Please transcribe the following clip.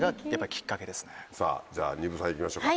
じゃあ丹生さんいきましょうか。